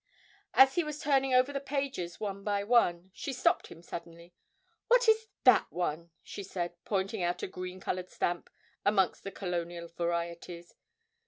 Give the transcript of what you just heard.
As he was turning over the pages, one by one, she stopped him suddenly. 'What is that one?' she said, pointing out a green coloured stamp amongst the colonial varieties.